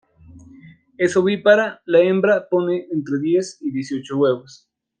Es ovípara, la hembra pone entre diez y dieciocho huevos.